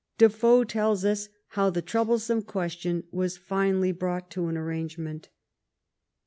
Defoe tells us how the troublesome question was finally brought to an arrangement.